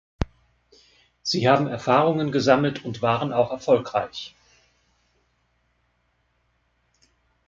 Sie haben Erfahrungen gesammelt und waren auch erfolgreich.